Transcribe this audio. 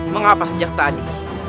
mengapa sejak tadi